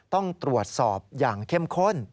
ต้องตรวจสอบอย่างเข้มข้น